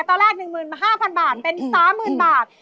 ตอนแรก๑๕๐๐บาทเป็น๓๐๐๐บาท